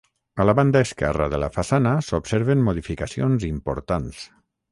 A la banda esquerra de la façana s'observen modificacions importants.